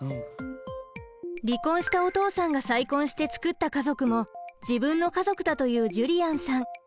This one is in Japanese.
離婚したお父さんが再婚して作った家族も自分の家族だというジュリアンさん。